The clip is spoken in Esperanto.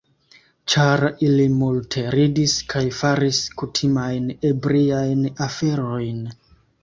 Ĉar ili multe ridis kaj faris kutimajn ebriajn aferojn.